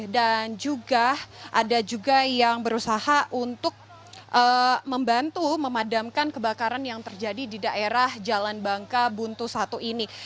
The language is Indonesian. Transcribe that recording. dan juga ada juga yang berusaha untuk membantu memadamkan kebakaran yang terjadi di daerah jalan bangka buntu satu ini